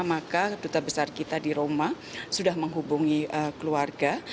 maka duta besar kita di roma sudah menghubungi keluarga